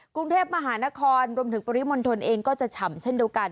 กรุงเทพมหานครรวมถึงปริมณฑลเองก็จะฉ่ำเช่นเดียวกัน